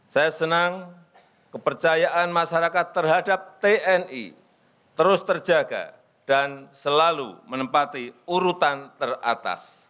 saya senang kepercayaan masyarakat terhadap tni terus terjaga dan selalu menempati urutan teratas